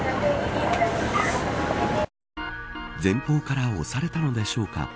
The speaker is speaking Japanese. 前方から押されたのでしょうか。